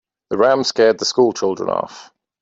The ram scared the school children off.